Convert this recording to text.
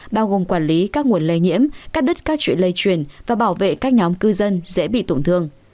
bao gồm quản lý các nguồn lây nhiễm cắt đứt các chuyện lây truyền và bảo vệ các nhóm cư dân dễ bị tổn thương